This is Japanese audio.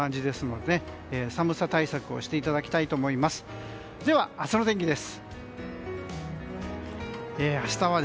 では、明日の天気です。